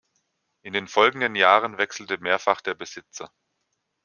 In den folgenden Jahren wechselte mehrfach der Besitzer.